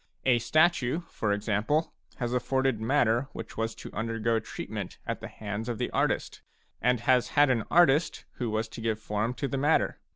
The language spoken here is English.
A statue, for example, has afforded matter which was to undergo treatment at the hands of the artist, and has had an artist who was to give form to the matter.